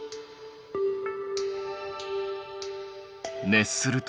熱すると？